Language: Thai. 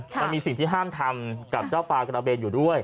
มันมีสิ่งที่ห้ามทำกับเจ้าปลากระเบนอยู่ด้วย